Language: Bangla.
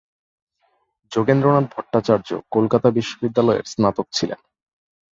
যোগেন্দ্রনাথ ভট্টাচার্য কলকাতা বিশ্ববিদ্যালয়ের স্নাতক ছিলেন।